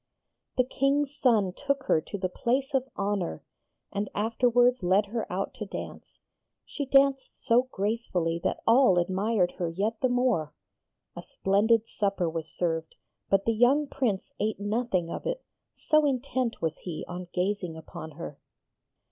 The King's son took her to the place of honour, and afterwards led her out to dance. She danced so gracefully that all admired her yet the more. A splendid supper was served, but the young Prince ate nothing of it, so intent was he on gazing upon her.